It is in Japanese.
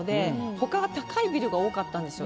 他が高いビルが多かったんですよ